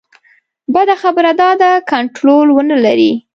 بده خبره دا ده کنټرول ونه لري.